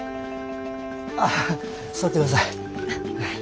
ああ座ってください。